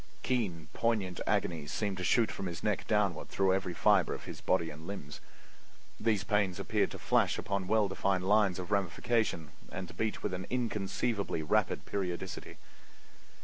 Keen, poignant agonies seemed to shoot from his neck downward through every fiber of his body and limbs. These pains appeared to flash along well defined lines of ramification and to beat with an inconceivably rapid periodicity.